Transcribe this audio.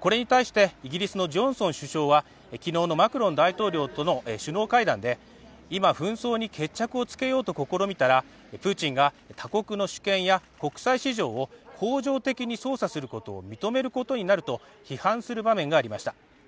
これに対して、イギリスのジョンソン首相は昨日のマクロン大統領との首脳会談で、今、紛争に決着をつけようと試みたらプーチンが他国の主権や国際市場を恒常的に操作することを認めることになると批判する場面がありました。